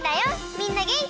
みんなげんき？